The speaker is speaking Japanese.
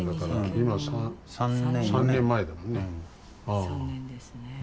３年ですね。